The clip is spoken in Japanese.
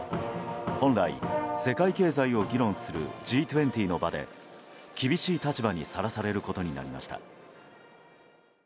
本来、世界経済を議論するＧ２０の場で厳しい立場にさらされることになりました。